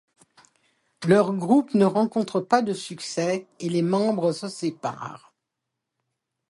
Leur groupe ne rencontre pas de succès et les membres se séparent.